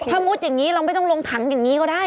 ถ้ามุติอย่างนี้เราไม่ต้องลงถังอย่างนี้ก็ได้